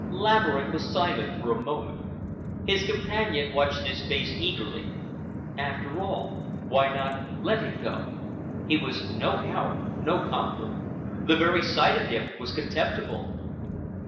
Laverick was silent for a moment. His companion watched his face eagerly. After all, why not let him go? He was no help, no comfort. The very sight of him was contemptible.